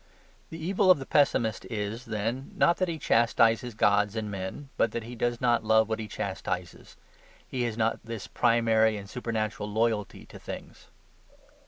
The evil of the pessimist is, then, not that he chastises gods and men, but that he does not love what he chastises he has not this primary and supernatural loyalty to things.